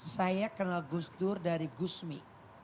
saya kenal gus dur dari gusmi